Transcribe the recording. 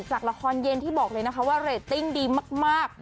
จากละครเย็นที่บอกเลยนะคะว่าเรตติ้งดีมาก